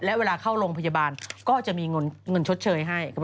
และเวลาเข้าโรงพยาบาลก็จะมีเงินชดเชยให้